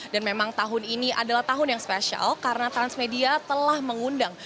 dan memang tahun ini adalah tahun yang spesial karena transmedia telah mengundang